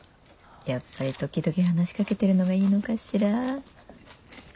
やっぱり時々話しかけてるのがいいのかしら。